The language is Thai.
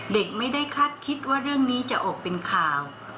เด็กไม่ได้คาดคิดว่าเรื่องนี้จะออกเป็นข่าว